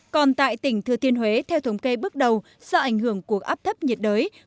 còn tại tỉnh thừa thiên huế theo thống kê bước đầu do ảnh hưởng của áp thấp nhiệt đới